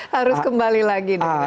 harus kembali lagi